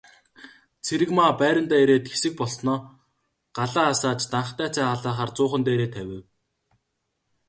Цэрэгмаа байрандаа ирээд хэсэг болсноо галаа асааж данхтай цай халаахаар зуухан дээрээ тавив.